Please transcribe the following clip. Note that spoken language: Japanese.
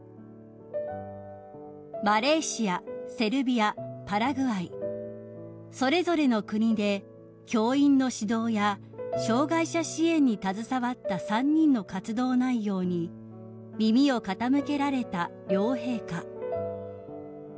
［マレーシアセルビアパラグアイそれぞれの国で教員の指導や障害者支援に携わった３人の活動内容に耳を傾けられた両陛下］